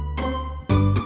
sampai jumpa lagi